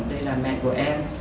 đây là mẹ của em